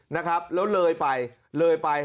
แล้วเลยไป